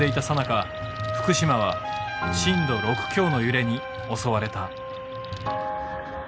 さなか福島は震度６強の揺れに襲われた。